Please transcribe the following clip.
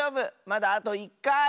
まだあと１かい！